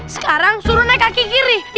sekarang suruh naik kaki kiri